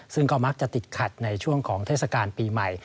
ซึ่งก็มักจะติดขัดในช่วงของเทศกาลปีใหม่